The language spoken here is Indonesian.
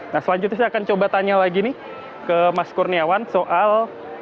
nah selanjutnya saya akan coba tanya lagi nih ke mas kurniawan soal